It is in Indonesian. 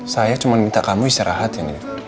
saya cuma minta kamu istirahat ini